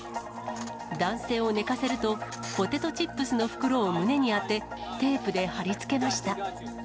男性を寝かせると、ポテトチップスの袋を胸に当て、テープで貼り付けました。